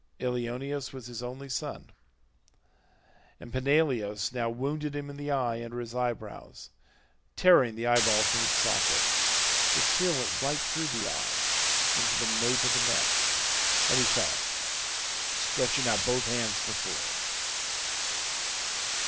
Ilioneus was his only son, and Peneleos now wounded him in the eye under his eyebrows, tearing the eye ball from its socket: the spear went right through the eye into the nape of the neck, and he fell, stretching out both hands before him.